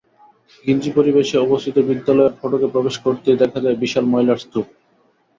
ঘিঞ্জি পরিবেশে অবস্থিত বিদ্যালয়ের ফটকে প্রবেশ করতেই দেখা যায় বিশাল ময়লার স্তূপ।